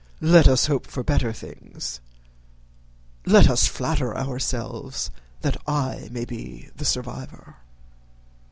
Let us hope for better things. Let us flatter ourselves that I may be the survivor."